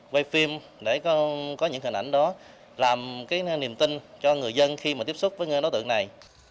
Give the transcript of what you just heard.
quay phim để có những hình ảnh đó làm niềm tin cho người dân khi mà tiếp xúc với đối tượng này